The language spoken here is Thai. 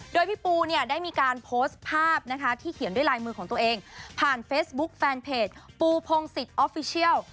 โดยพี่ปูเนี่ยได้มีการโพสต์ภาพนะคะที่เขียนด้วยลายมือของตัวเองผ่านเฟซบุ๊คแฟนเพจปูพงศิษย์ออฟฟิเชียล